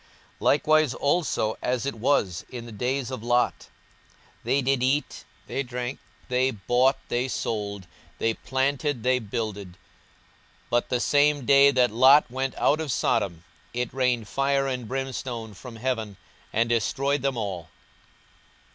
42:017:028 Likewise also as it was in the days of Lot; they did eat, they drank, they bought, they sold, they planted, they builded; 42:017:029 But the same day that Lot went out of Sodom it rained fire and brimstone from heaven, and destroyed them all.